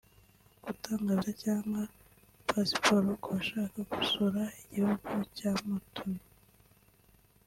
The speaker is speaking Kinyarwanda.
gutanga viza cyangwa pasiporo ku bashaka gusura igihugu cyamutumye